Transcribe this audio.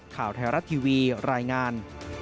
ข่าวไทยรัฐทีวีรายงาน